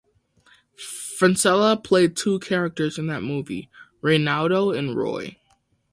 Francella played two characters in that movie, "Reynaldo" and "Roy".